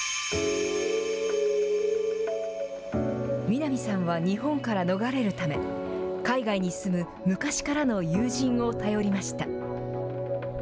南さんは日本から逃れるため、海外に住む昔からの友人を頼りました。